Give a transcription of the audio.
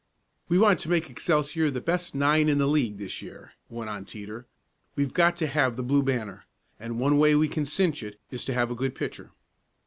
"We want to make Excelsior the best nine in the league this year," went on Teeter. "We've got to have the Blue Banner, and one way we can cinch it is to have a good pitcher."